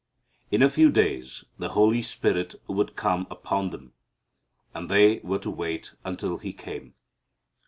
In a few days the Holy Spirit would come upon them, and they were to wait until He came.